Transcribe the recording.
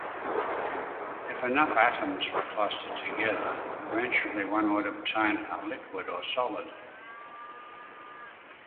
If enough atoms were clustered together, eventually one would obtain a liquid or solid.